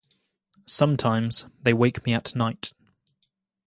Sometimes they wake me at night.